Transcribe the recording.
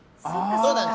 そうなんです。